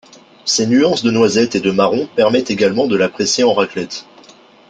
Ses nuances de noisettes et de marrons permettent également de l'apprécier en raclette.